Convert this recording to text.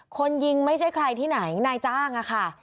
คนยิงไม่ใช่ใครที่ไหนนายจ้างอะค่ะ